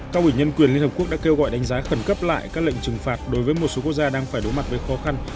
cao ủy nhân quyền liên hợp quốc đã kêu gọi đánh giá khẩn cấp lại các lệnh trừng phạt đối với một số quốc gia đang phải đối mặt với khó khăn